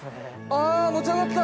あ持ち上がった！